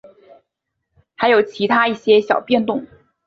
还有其它一些小变动。